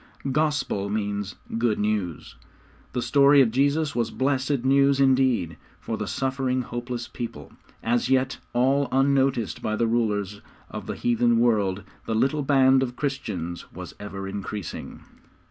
'Gospel' means good news. The story of Jesus was blessed news indeed, for the suffering, hopeless people. As yet all unnoticed by the rulers of the heathen world, the little band of Christians was ever increasing.